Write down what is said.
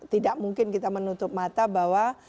tidak mungkin kita menutup mata bahwa